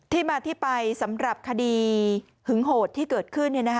ที่มาที่ไปสำหรับคดีหึงโหดที่เกิดขึ้น